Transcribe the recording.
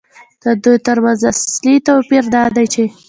د دوی ترمنځ اصلي توپیر دا دی چې